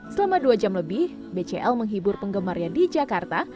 selama dua jam lebih bcl menghibur penggemarnya di jakarta